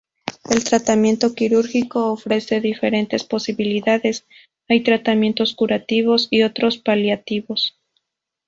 El tratamiento quirúrgico ofrece diferentes posibilidades: hay tratamientos curativos y otros paliativos.